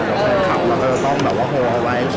กับแฟนคลับเราก็ต้องแบบว่าโฮเอาไว้